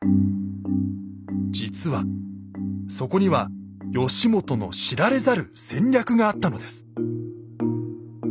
実はそこには義元の知られざる戦略があったのです。